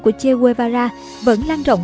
của che guevara vẫn lan rộng